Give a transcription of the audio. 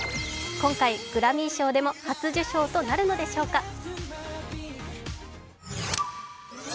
今回、グラミー賞でも初受賞となるのでしょうか？